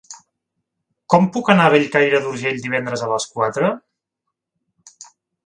Com puc anar a Bellcaire d'Urgell divendres a les quatre?